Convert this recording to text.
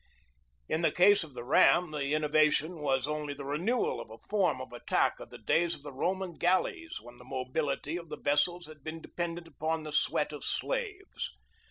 In the case of the ram the innovation was only the renewal of a form of attack of the days of the Roman galleys when the mobility of the vessel had been dependent upon the sweat of slaves.